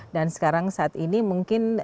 dan sekarang saat ini mungkin